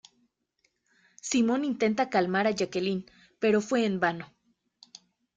Simon intenta calmar a Jacqueline, pero fue en vano.